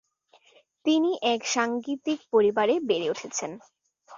তিনি এক সাঙ্গীতিক পরিবারের বেড়ে উঠেছেন।